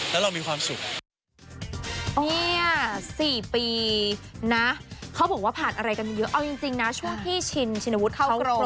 แล้วเรามีความสุข